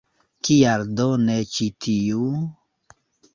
Kial do ne ĉi tiu?